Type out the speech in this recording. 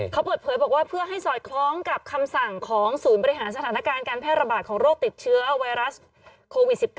เขาเปิดเผยบอกว่าเพื่อให้สอดคล้องกับคำสั่งของศูนย์บริหารสถานการณ์การแพร่ระบาดของโรคติดเชื้อไวรัสโควิด๑๙